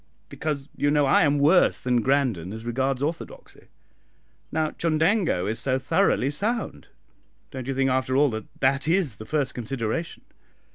"Because, you know, I am worse than Grandon as regards orthodoxy. Now, Chundango is so thoroughly sound, don't you think, after all, that that is the first consideration?"